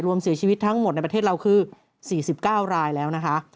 เสียชีวิตทั้งหมดในประเทศเราคือ๔๙รายแล้วนะคะ